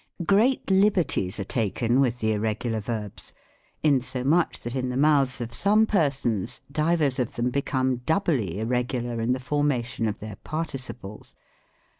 Great liberties are taken with the Irregular Verbs, insomuch that in the mouths of some persons, divers of them become doubly irregular in the formation of their participles.